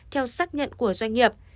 theo xác nhận của doanh nghiệp